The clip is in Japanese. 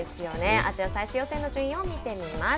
アジア最終予選の順位を見てみます。